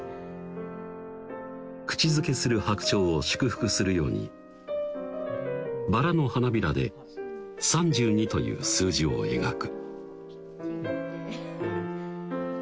口づけする白鳥を祝福するようにバラの花びらで３２という数字を描く